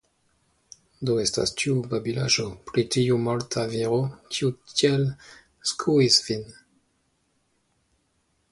Do estas tiu babilaĵo pri tiu morta viro, kiu tiel skuis vin?